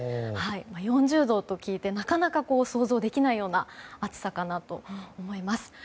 ４０度と聞いて、なかなか想像できないような暑さかなと思います。